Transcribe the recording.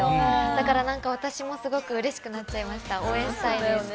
だから私も、すごくうれしくなっちゃいました。